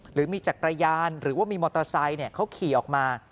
หรือมีจักรยานหรือว่ามีมอเตอร์ไซค์เขาขี่ออกมา